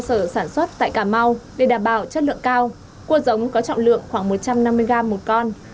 cơ sở sản xuất tại cà mau để đảm bảo chất lượng cao cua giống có trọng lượng khoảng một trăm năm mươi gram một con